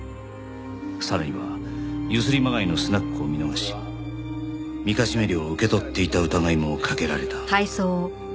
さらにはゆすりまがいのスナックを見逃しみかじめ料を受け取っていた疑いもかけられた。